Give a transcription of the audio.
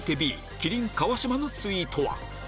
麒麟・川島のツイートは？